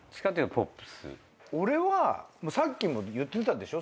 俺はさっきも言ってたでしょ